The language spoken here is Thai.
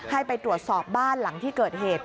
ให้ไปตรวจสอบบ้านหลังที่เกิดเหตุ